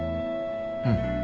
うん。